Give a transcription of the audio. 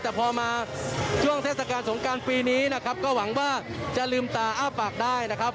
แต่พอมาช่วงเทศกาลสงการปีนี้นะครับก็หวังว่าจะลืมตาอ้าปากได้นะครับ